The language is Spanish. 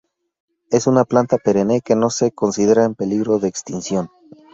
Es una planta perenne que no se considera en peligro de extinción.